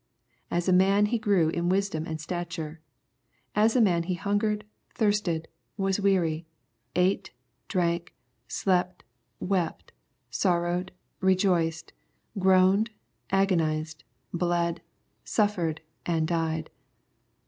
As man He grew in wisdom and stature. Aa man He hungered, thirsted, was weary, ate drank, slept, wept, sorrowed, rejoiced, groaned, agonized, bled, suffered and died.